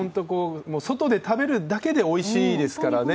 外で食べるだけでおいしいですからね。